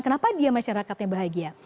kenapa dia masyarakatnya bahagia